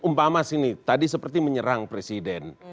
umpama sini tadi seperti menyerang presiden